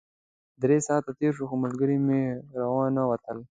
درې ساعته تېر شول خو ملګري مې راونه وتل.